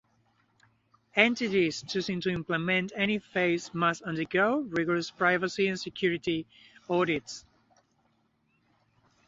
Entities choosing to implement any phase must undergo rigorous privacy and security audits.